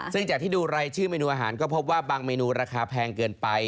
ซึ่งจากที่ดูรายชื่อเมนูอาหารก็พบว่าบางเมนูราคาแพงเกินไป